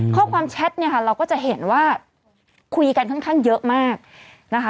แชทเนี่ยค่ะเราก็จะเห็นว่าคุยกันค่อนข้างเยอะมากนะคะ